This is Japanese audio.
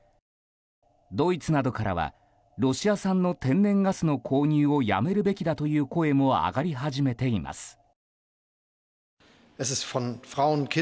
ドイツなどからはロシア産の天然ガスの購入をやめるべきだという声も上がり始めています。